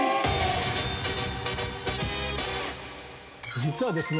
実はですね